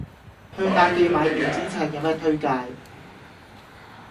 去鴨記買電子尺有咩推介